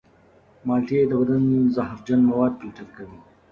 مالټې د بدن زهرجن مواد فلتر کوي.